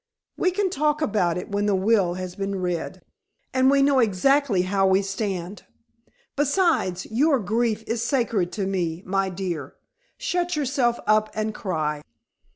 "We can talk about it when the will has been read, and we know exactly how we stand. Besides your grief is sacred to me, my dear. Shut yourself up and cry."